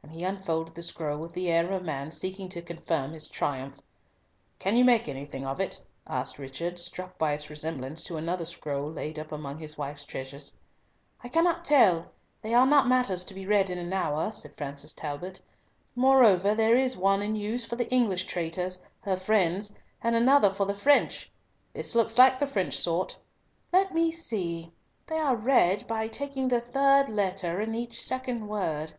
and he unfolded the scroll with the air of a man seeking to confirm his triumph. "Can you make anything of it?" asked Richard, struck by its resemblance to another scroll laid up among his wife's treasures. "I cannot tell, they are not matters to be read in an hour," said Francis Talbot, "moreover, there is one in use for the English traitors, her friends, and another for the French. This looks like the French sort. Let me see, they are read by taking the third letter in each second word."